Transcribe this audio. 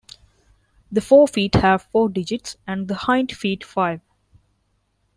The fore feet have four digits and the hind feet five.